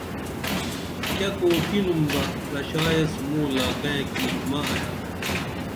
کیہ کوکِنُم بہ پرشا ایس موں لاکئیں کی مہ ایا